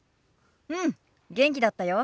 うん元気だったよ。